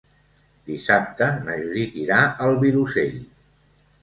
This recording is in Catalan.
Dissabte na Judit irà al Vilosell.